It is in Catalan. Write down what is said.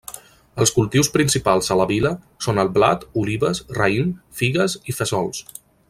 Els cultius principals a la vila són el blat, olives, raïm, figues i fesols.